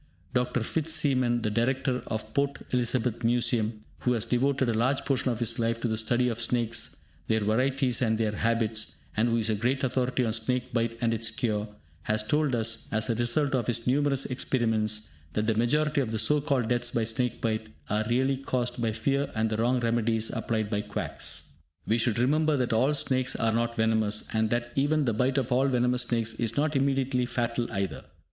Dr. Fitz Seaman, the Director of the Port Elizabeth Museum, who has devoted a large portion of his life to the study of snakes, their varieties and their habits, and who is a great authority on snake bite and its cure, has told us, as a result of his numerous experiments, that the majority of the so called deaths by snake bite are really caused by fear and the wrong remedies applied by quacks. We should remember that all snakes are not venomous, and that even the bite of all venomous snakes is not immediately fatal either.